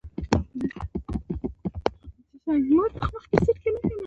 چې له خلکو سره نه، بلکې له محصولات سره